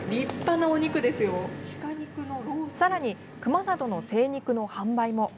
さらに、クマなどの精肉の販売も。